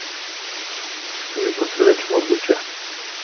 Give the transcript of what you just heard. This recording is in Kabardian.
ФыныкӀуэцӀрыкӀ мобыкӀэ.